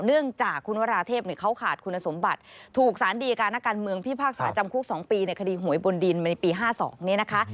เนื่องจากคุณวราเทพเขาขาดคุณสมบัติถูกสารดีการนักการเมืองพิพากษาจำคุก๒ปีในคดีหวยบนดินมาในปี๕๒เนี่ยนะคะ